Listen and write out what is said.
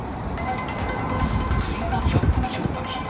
スイカ１００個以上が被害。